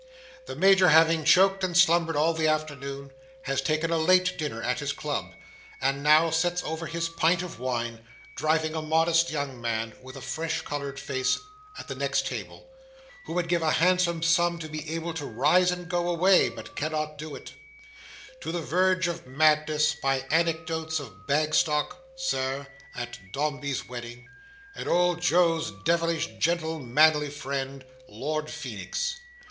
The Major, having choked and slumbered, all the afternoon, has taken a late dinner at his club, and now sits over his pint of wine, driving a modest young man, with a fresh coloured face, at the next table (who would give a handsome sum to be able to rise and go away, but cannot do it) to the verge of madness, by anecdotes of Bagstock, Sir, at Dombey's wedding, and Old Joe's devilish gentle manly friend, Lord Feenix.